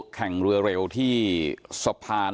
แข่งเรือเร็วที่สะพาน